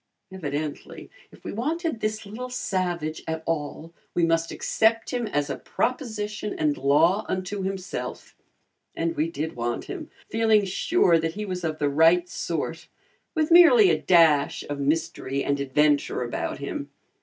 Evidently, if we wanted this little savage at all we must accept him as a proposition and law unto himself. And we did want him, feeling sure that he was of the right sort, with merely a dash of mystery and adventure about him.